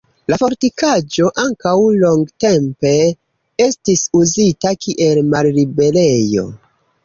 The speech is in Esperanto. La fortikaĵo ankaŭ longtempe estis uzita kiel malliberejo.